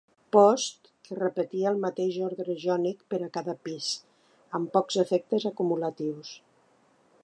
Post, que repetia el mateix ordre jònic per a cada pis, amb pocs efectes acumulatius.